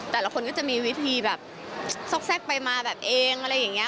แต่ละคนก็จะมีวิธีสกแซกไปมาเอง